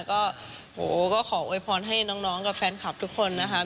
ก็โหก็ขอโวยพรให้น้องกับแฟนคลับทุกคนนะคะ